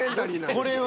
これは。